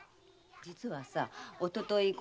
実はおととい